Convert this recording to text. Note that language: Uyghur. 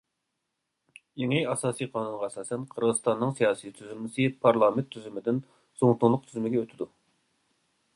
يېڭى ئاساسىي قانۇنغا ئاساسەن، قىرغىزىستاننىڭ سىياسىي تۈزۈلمىسى پارلامېنت تۈزۈمىدىن زۇڭتۇڭلۇق تۈزۈمىگە ئۆتىدۇ.